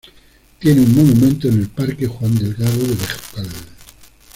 Tiene un monumento en el Parque Juan Delgado de Bejucal.